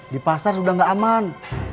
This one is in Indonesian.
di pasar sudah nggak aman